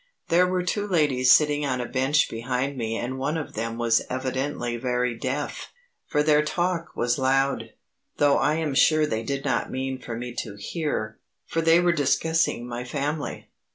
There were two ladies sitting on a bench behind me and one of them was evidently very deaf, for their talk was loud, though I am sure they did not mean for me to hear, for they were discussing my family.